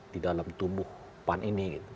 di dalam tubuh pan ini